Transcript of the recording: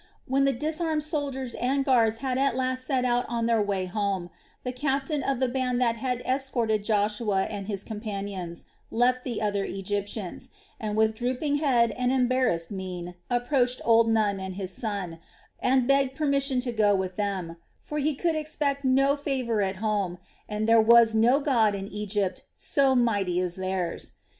When the disarmed soldiers and guards at last set out on their way home, the captain of the band that had escorted Joshua and his companions left the other Egyptians, and with drooping head and embarrassed mien approached old Nun and his son, and begged permission to go with them; for he could expect no favor at home and there was no God in Egypt so mighty as theirs.